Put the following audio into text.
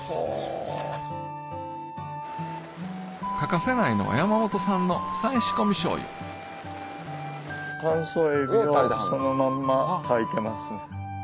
欠かせないのは山本さんの再仕込み醤油乾燥エビをそのまんま炊いてますね。